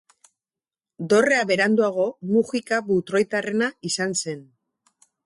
Dorrea beranduago Mugika-Butroitarrena izan zen.